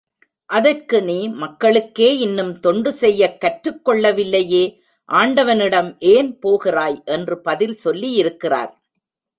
அதற்கு, நீ மக்களுக்கே இன்னும் தொண்டு செய்யக் கற்றுக் கொள்ளவில்லையே, ஆண்டவனிடம் ஏன் போகிறாய், என்று பதில் சொல்லியிருக்கின்றார்.